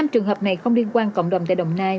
năm trường hợp này không liên quan cộng đồng tại đồng nai